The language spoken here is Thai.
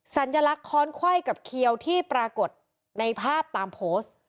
สัญลักษณ์ค้อนไขว้กับเขียวที่ปรากฏในภาพตามโพสต์